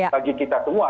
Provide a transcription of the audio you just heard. lagi kita semua